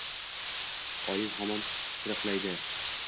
Oyim hamon chirqillaydi.